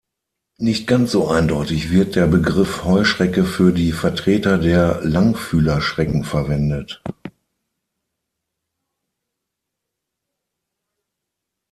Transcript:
Nicht ganz so eindeutig wird der Begriff "Heuschrecke" für die Vertreter der Langfühlerschrecken verwendet.